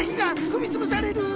ふみつぶされる！